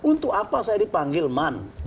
untuk apa saya dipanggil man